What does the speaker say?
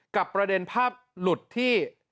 ประเด็นภาพหลุดที่